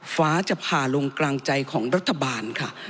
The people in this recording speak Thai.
ฟ้าจะผ่าลงกลางใจของรัฐบาลค่ะ